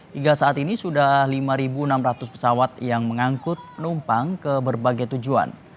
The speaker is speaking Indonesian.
hingga saat ini sudah lima enam ratus pesawat yang mengangkut penumpang ke berbagai tujuan